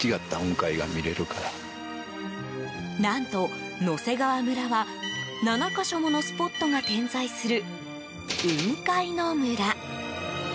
何と野迫川村は、７か所ものスポットが点在する雲海の村。